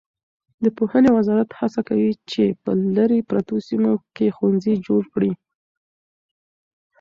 د پوهنې وزارت هڅه کوي چې په لیرې پرتو سیمو کې ښوونځي جوړ کړي.